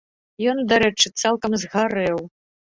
Ён, дарэчы, цалкам згарэў.